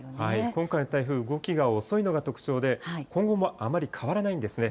今回の台風、動きが遅いのが特徴で、今後もあまり変わらないんですね。